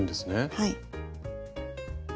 はい。